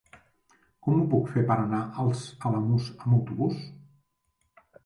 Com ho puc fer per anar als Alamús amb autobús?